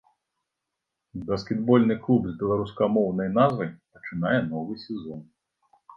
Баскетбольны клуб з беларускамоўнай назвай пачынае новы сезон.